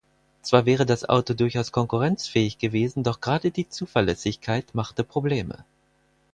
Zwar wäre das Auto durchaus konkurrenzfähig gewesen, doch gerade die Zuverlässigkeit machte Probleme.